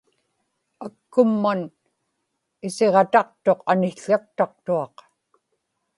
akkumman isiġataqtuq anił̣ł̣aktaqtuaq